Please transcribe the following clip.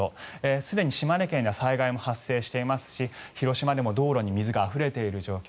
すでに島根県では災害も発生していますし広島でも道路に水があふれている状況。